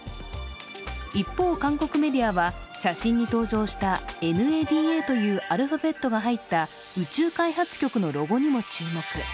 一方、韓国メディアは写真に登場したＮＡＤＡというアルファベットが入った宇宙開発局のロゴにも注目。